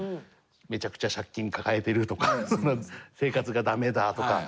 めちゃくちゃ借金抱えてるとか生活が駄目だとか。